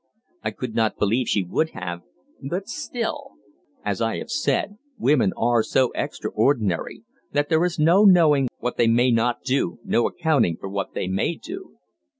I could not believe she would have, but still As I have said, women are so extraordinary, that there is no knowing what they may not do, no accounting for what they may do.